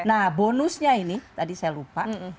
nah bonusnya ini tadi saya lupa